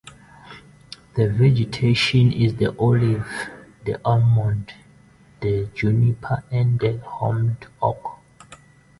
The vegetation is the olive, the almond, the juniper and the holm oak.